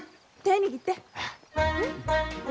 手握って。